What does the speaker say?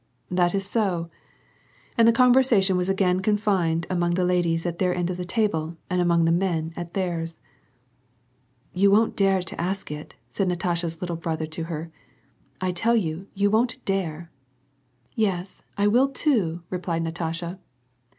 « That is so." And the conversation again was confined among the ladies at their end of the table and among the men at theirs. "You won't dare to ask it," said Natasha's little brother to her. " I tell you, you won't dare to !"" Yes, I will, too," replied Natasha.